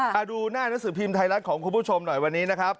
มาดูหน้าหนังสือพิมพ์ไทยรัฐของคุณผู้ชมหน่อยวันนี้นะครับ